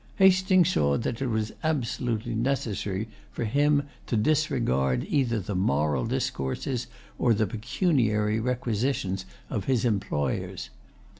Hastings saw that it was absolutely necessary for him to disregard either the moral discourses or the pecuniary requisitions of his employers.